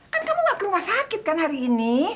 kan kamu gak ke rumah sakit kan hari ini